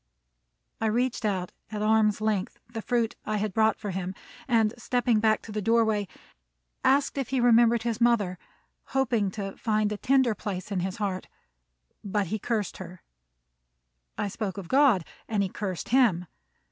I reached out, at arm's length, the fruit I had brought for him, and stepping back to the doorway, asked if he remembered his mother, hoping to find a tender place in his heart; but he cursed her. I spoke of God, and he cursed him.